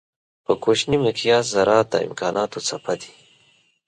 په کوچني مقیاس ذرات د امکانانو څپه دي.